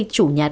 chủ nhà thuốc